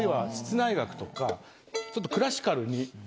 ちょっとクラシカルに。